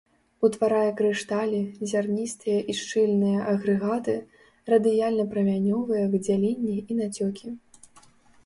Утварае крышталі, зярністыя і шчыльныя агрэгаты, радыяльна-прамянёвыя выдзяленні і нацёкі.